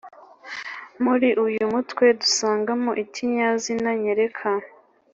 muri uyu mutwe dusangamo ikinyazina nyereka.